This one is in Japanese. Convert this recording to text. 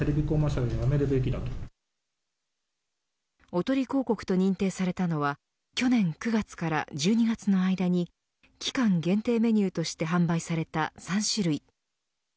おとり広告と認定されたのは去年９月から１２月の間に期間限定メニューとして販売された３種類。